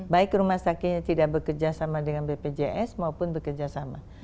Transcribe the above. baik rumah sakitnya tidak bekerja sama dengan bpjs maupun bekerja sama